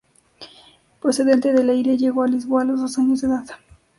Procedente de Leiria, llegó a Lisboa a los dos años de edad.